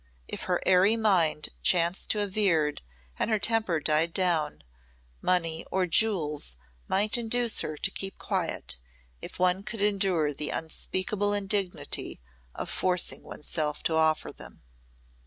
If her airy mind chanced to have veered and her temper died down, money or jewels might induce her to keep quiet if one could endure the unspeakable indignity of forcing oneself to offer them.